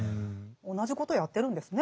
同じことやってるんですね